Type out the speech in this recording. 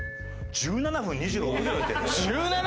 １７分２６秒やってんだ。